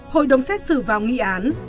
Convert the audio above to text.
hội đồng xét xử vào nghị án